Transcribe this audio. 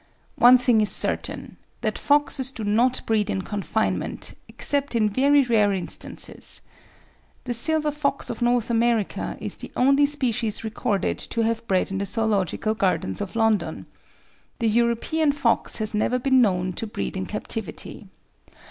One thing is certain, that foxes do not breed in confinement, except in very rare instances. The silver fox of North America is the only species recorded to have bred in the Zoological Gardens of London; the European fox has never been known to breed in captivity.